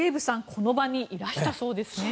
この場にいらしたそうですね。